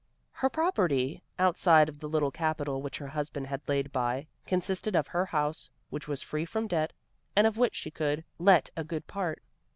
Her property, outside of the little capital which her husband had laid by, consisted of her house, which was free from debt, and of which she could let a good part.